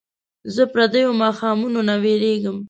زه پردیو ماښامونو نه ویرېږم